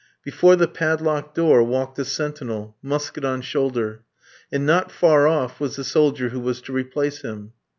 Before the padlocked door walked a sentinel, musket on shoulder; and not far off was the soldier who was to replace him.